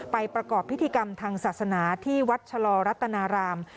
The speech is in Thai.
ประกอบพิธีกรรมทางศาสนาที่วัดชะลอรัตนาราม